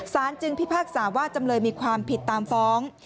สารจึงพิพากษาว่าจำเลยมีความผิดตามฟ้อง